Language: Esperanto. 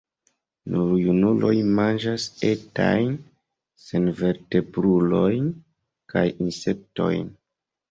Nur junuloj manĝas etajn senvertebrulojn kaj insektojn.